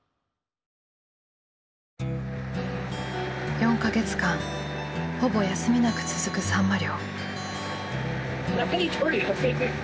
４か月間ほぼ休みなく続くサンマ漁。